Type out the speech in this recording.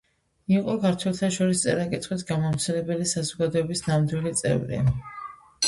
იყო ქართველთა შორის წერა-კითხვის გამავრცელებელი საზოგადოების ნამდვილი წევრი.